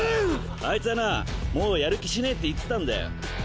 あいつはなもうやる気しねえって言ってたんだよ。